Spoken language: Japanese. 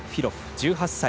１８歳。